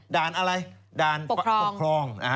ด่านอะไรด่านปกครอง